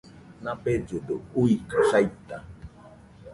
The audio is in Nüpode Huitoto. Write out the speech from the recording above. Nabellɨdo uikɨ saita